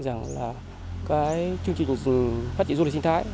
rằng là cái chương trình phát triển du lịch sinh thái